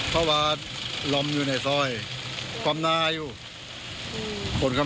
ก็สามารถบุลักษณ์พวกเขาถึงอีกครั้ง